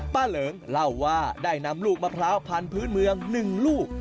ป้าเหลิงเล่าว่าได้นำลูกมะพร้าวผ่านพื้นเมืองหนึ่งลูก